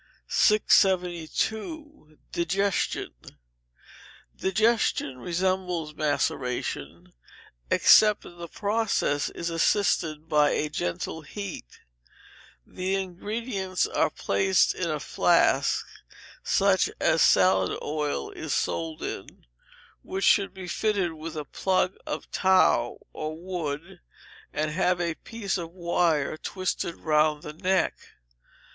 672. Digestion. Digestion resembles maceration, except that the process is assisted by a gentle heat. The ingredients are placed in a flask, such as salad oil is sold in, which should be fitted with a plug of tow or wood, and have a piece of wire twisted round the neck.